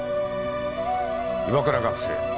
岩倉学生。